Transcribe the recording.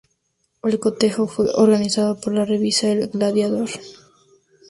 El cotejo fue organizado por la revista "El Gladiador".